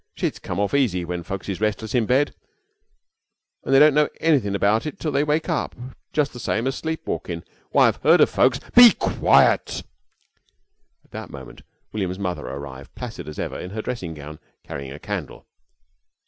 Sheets come off easy when folks is restless in bed, and they don't know anythin' about it till they wake up jus' same as sleep walkin'. Why, I've heard of folks " "Be quiet !" At that moment William's mother arrived, placid as ever, in her dressing gown, carrying a candle.